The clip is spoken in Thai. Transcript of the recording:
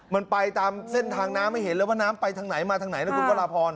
มันไปตามเส้นทางน้ำให้เห็นเลยว่าน้ำไปทางไหนมาทางไหนนะคุณพระราพร